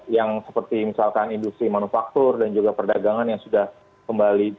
yang seperti misalkan industri manufaktur dan juga perdagangan yang sudah kembali